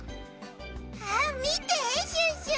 あっみてシュッシュ！